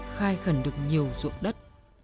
khai khẩn được nhiều ruộng đất